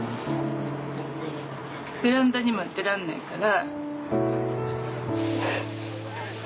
ベランダにも出らんないから。